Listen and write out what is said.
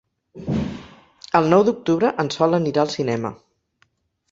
El nou d'octubre en Sol anirà al cinema.